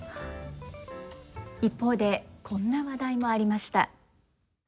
一方でこんな話題もありました。